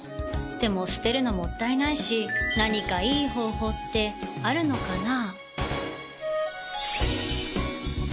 でも捨てるのもったいないし何かいい方法ってあるのかな？